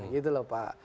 gitu lho pak